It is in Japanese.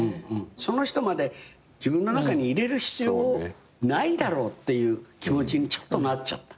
その人まで自分の中に入れる必要ないだろうっていう気持ちにちょっとなっちゃった。